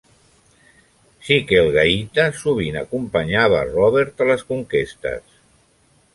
Sikelgaita sovint acompanyava Robert a les conquestes.